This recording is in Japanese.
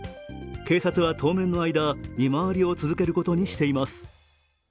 警察は当面の間、見回りを続けることにしています。